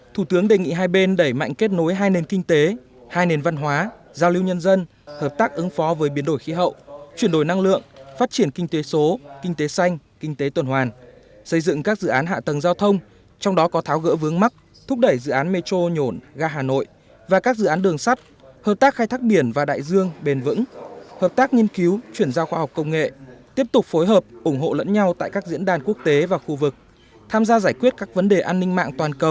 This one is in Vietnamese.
thủ tướng đề nghị hai bên đẩy mạnh kết nối hai nền kinh tế hai nền văn hóa giao lưu nhân dân hợp tác ứng phó với biến đổi khí hậu chuyển đổi năng lượng phát triển kinh tế số kinh tế xanh kinh tế tuần hoàn xây dựng các dự án hạ tầng giao thông trong đó có tháo gỡ vướng mắc thúc đẩy dự án metro nhổn ga hà nội và các dự án đường sắt hợp tác khai thác biển và đại dương bền vững hợp tác nghiên cứu chuyển giao khoa học công nghệ tiếp tục phối hợp ủng hộ